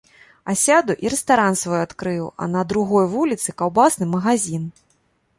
Асяду і рэстаран свой адкрыю, а на другой вуліцы каўбасны магазін.